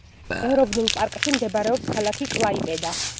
ეროვნულ პარკში მდებარეობს ქალაქი კლაიპედა.